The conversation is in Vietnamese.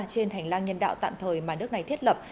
trên hành lang nhân đạo tạm thời mà nước này thiết lập